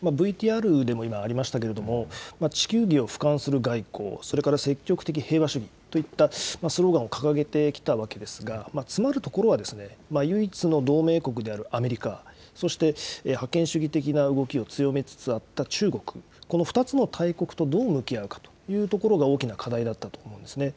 ＶＴＲでも今、ありましたけれども、地球儀をふかんする外交、それから積極的平和主義といったスローガンを掲げてきたわけですが、つまるところは、唯一の同盟国であるアメリカ、そして覇権主義的な動きを強めつつあった中国、この２つの大国とどう向き合うかというところが大きな課題だったと思うんですね。